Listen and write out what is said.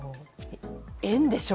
円でしょ